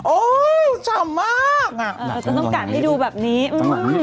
โอ๊ยชอบมากอ่ะเราต้องการให้ดูแบบนี้อืม